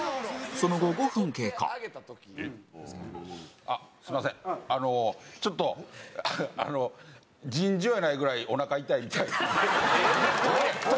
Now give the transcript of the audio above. その後、５分経過すみません、あの、ちょっと尋常やないぐらいおなか痛いみたいなんで。